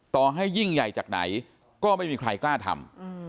ต่อให้ยิ่งใหญ่จากไหนก็ไม่มีใครกล้าทำ